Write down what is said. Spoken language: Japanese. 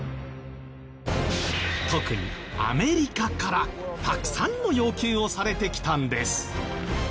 特にアメリカからたくさんの要求をされてきたんです。